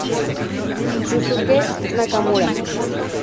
Yusuke Nakamura